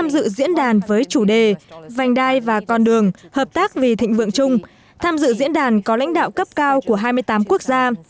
tham dự diễn đàn với chủ đề vành đai và con đường hợp tác vì thịnh vượng chung tham dự diễn đàn có lãnh đạo cấp cao của hai mươi tám quốc gia